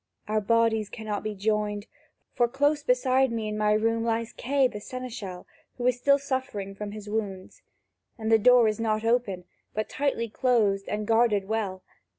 Our bodies cannot be joined, for close beside me in my room lies Kay the seneschal, who is still suffering from his wounds. And the door is not open, but is tightly closed and guarded well.